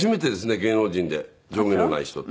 芸能人で上下のない人って。